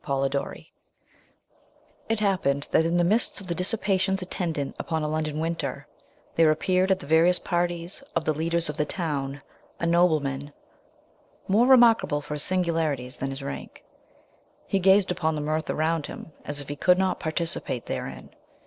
__________ IT happened that in the midst of the dissipations attendant upon a London winter, there appeared at the various parties of the leaders of the ton a nobleman, more remarkable for his singularities, than his rank. He gazed upon the mirth around him, as if he could not participate therein.